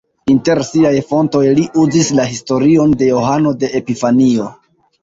Inter siaj fontoj li uzis la historion de Johano de Epifanio.